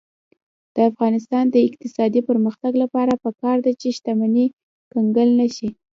د افغانستان د اقتصادي پرمختګ لپاره پکار ده چې شتمني کنګل نشي.